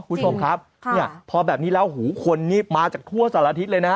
คุณผู้ชมครับเนี่ยพอแบบนี้แล้วหูคนนี้มาจากทั่วสารทิศเลยนะ